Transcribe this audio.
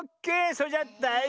それじゃだい